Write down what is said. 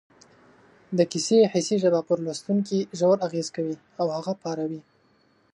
د کیسې حسي ژبه پر لوستونکي ژور اغېز کوي او هغه پاروي